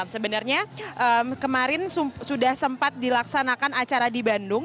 sebenarnya kemarin sudah sempat dilaksanakan acara di bandung